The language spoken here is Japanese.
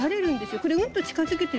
これうんと近づけてみて。